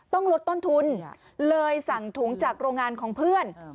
ต้องลดต้นทุนเลยสั่งถุงจากโรงงานของเพื่อน